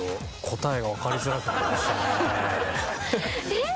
えっ？